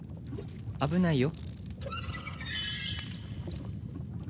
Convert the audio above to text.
危ないよ。